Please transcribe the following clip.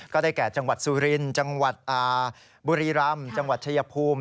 แก่จังหวัดสุรินทร์จังหวัดบุรีรำจังหวัดชายภูมิ